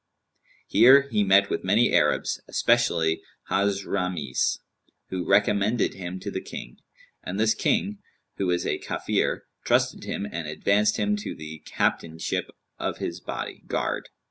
Here he met with many Arabs, especially Hazramνs[FN#193], who recommended him to the King; and this King (who was a Kafir) trusted him and advanced him to the captainship of his body guard.